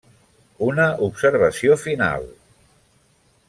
Una observació final.